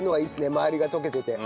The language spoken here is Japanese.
周りがとけてて。